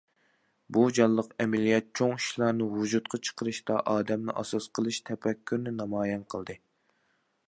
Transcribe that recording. بۇ جانلىق ئەمەلىيەت« چوڭ ئىشلارنى ۋۇجۇدقا چىقىرىشتا ئادەمنى ئاساس قىلىش» تەپەككۇرىنى نامايان قىلدى.